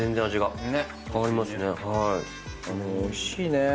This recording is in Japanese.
おいしいね。